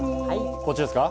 こっちですか？